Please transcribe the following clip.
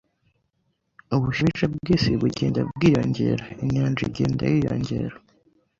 Ubushyuhe bukabije bw’isi bugenda bwiyongera, inyanja igenda yiyongera.